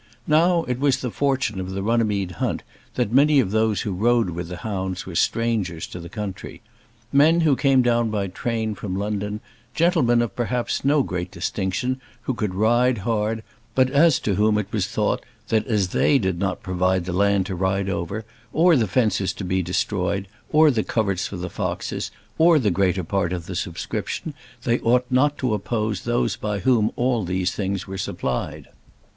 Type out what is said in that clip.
Now it was the fortune of the Runnymede hunt that many of those who rode with the hounds were strangers to the country, men who came down by train from London, gentlemen of perhaps no great distinction, who could ride hard, but as to whom it was thought that as they did not provide the land to ride over, or the fences to be destroyed, or the coverts for the foxes, or the greater part of the subscription, they ought not to oppose those by whom all these things were supplied.